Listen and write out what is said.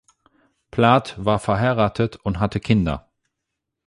Plath war verheiratet und hatte Kinder.